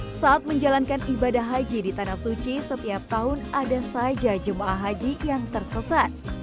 hai saat menjalankan ibadah haji di tanah suci setiap tahun ada saja jemaah haji yang tersesat